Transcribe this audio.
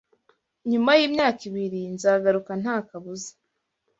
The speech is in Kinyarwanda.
Nyuma yimyaka ibiri nzagaruka ntakabuza